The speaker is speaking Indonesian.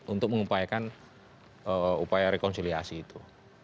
untuk mengupayakan upaya rekonsiliasi itu